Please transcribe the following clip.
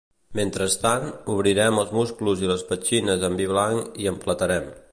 Mentrestant, obrirem els musclos i les petxines amb vi blanc i emplatarem.